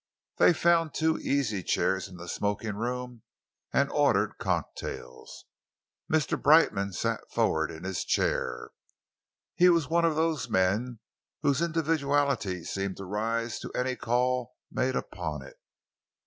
They found two easy chairs in the smoking room and ordered cocktails. Mr. Brightman sat forward in his chair. He was one of those men whose individuality seems to rise to any call made upon it.